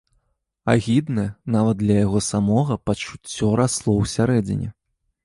Агіднае, нават для яго самога, пачуццё расло ўсярэдзіне.